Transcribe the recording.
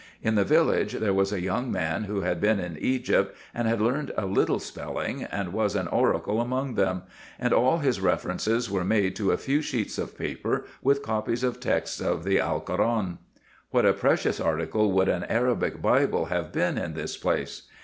In the village there was a young man who had been in Egypt, and had learned a little spelling, and was an oracle among them ; and all his references were made to a few sheets of paper, with copies of texts of the Alcoran. What a precious article would an Arabic Bible have been in this place